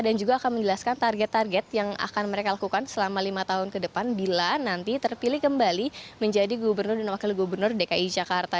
dan juga akan menjelaskan target target yang akan mereka lakukan selama lima tahun ke depan bila nanti terpilih kembali menjadi gubernur dan wakil gubernur dki jakarta